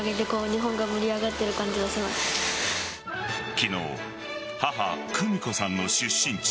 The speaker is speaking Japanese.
昨日、母・久美子さんの出身地